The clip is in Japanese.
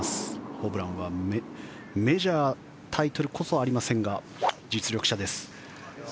ホブランはメジャータイトルこそありませんが実力者です。